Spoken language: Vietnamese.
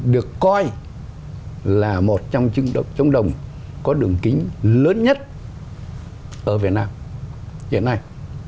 được coi là một trong trống đồng có đường kính lớn nhất ở việt nam hiện nay